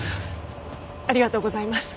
ありがとうございます。